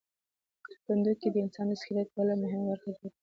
کرپندوکي د انسان د سکلیټ بله مهمه برخه جوړوي.